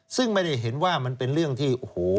ซึ่งไม่ได้เห็นว่ามันเป็นเรื่องที่โอ้โห